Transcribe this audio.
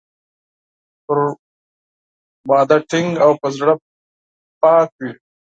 پر وعده ټینګ او په زړه پاک وي.